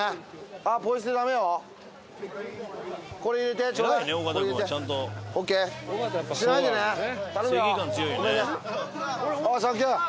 ああサンキュー。